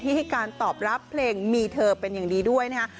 ให้การตอบรับเพลงมีเธอเป็นอย่างดีด้วยนะฮะ